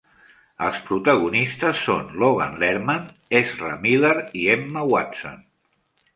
Els protagonistes són Logan Lerman, Ezra Miller i Emma Watson.